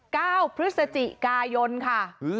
เก้าพฤศจิกายนค่ะ